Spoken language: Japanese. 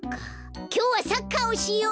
きょうはサッカーをしよう！